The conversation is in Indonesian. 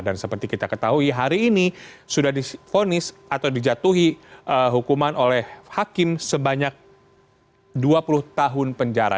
dan seperti kita ketahui hari ini sudah di fonis atau dijatuhi hukuman oleh hakim sebanyak dua puluh tahun penjara